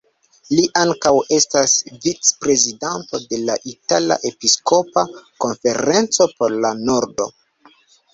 Li ankaŭ estas vic-prezidanto de la Itala Episkopa Konferenco por la Nordo.